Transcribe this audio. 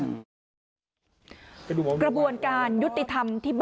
สองสามีภรรยาคู่นี้มีอาชีพ